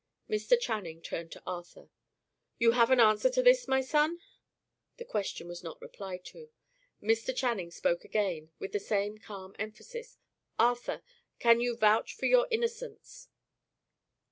Mr. Channing turned to Arthur. "You have an answer to this, my son?" The question was not replied to. Mr. Channing spoke again, with the same calm emphasis. "Arthur, you can vouch for your innocence?"